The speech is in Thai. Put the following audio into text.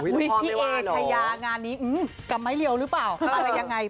พี่เอชยางานนี้อื้มกลับไม่เรียวหรือเปล่าแต่ว่ายังไง